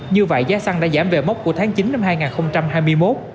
như vậy giá xăng đã giảm về mốc của tháng chín năm hai nghìn hai mươi một